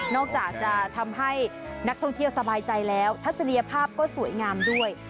จะทำให้นักท่องเที่ยวสบายใจแล้วทัศนียภาพก็สวยงามด้วย